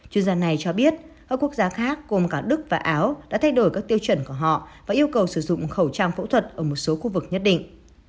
chuyên gia này cho biết các quốc gia khác cùng cả đức và áo đã thay đổi các tiêu chuẩn của họ và yêu cầu sử dụng khẩu trang phẫu thuật ở một số khu vực nhất định